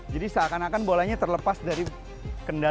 jadi seakan akan bolanya terlepas dari kendali